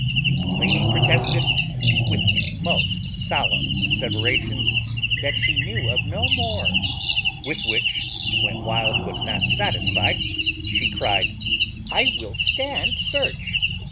The lady protested with the most solemn asseverations that she knew of no more; with which, when Wild was not satisfied, she cried, "I will stand search."